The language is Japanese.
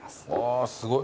あすごい。